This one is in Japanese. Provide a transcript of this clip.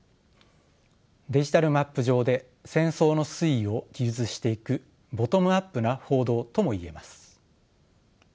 デジタルマップ上で戦争の推移を記述していくボトムアップな報道ともいえます。